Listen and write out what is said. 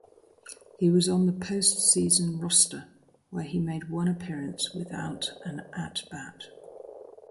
He was on the post-season roster, where he made one appearance without an at-bat.